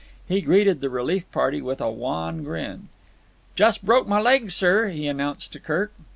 He greeted the relief party with a wan grin. "Just broke my leg, sir," he announced to Kirk.